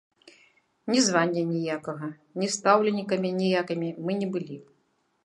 Ні звання ніякага, ні стаўленікамі ніякімі мы не былі.